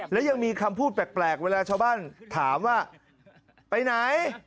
และยังมีคำพูดแปลกเวลาชาวบ้านถามว่าไปไหน